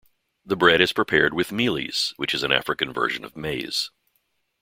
The bread is prepared with mealies, which is an African version of maize.